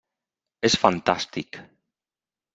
És fantàstic!